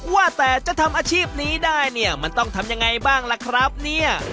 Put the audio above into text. ว่าแต่จะทำอาชีพนี้ได้เนี่ยมันต้องทำยังไงบ้างล่ะครับเนี่ย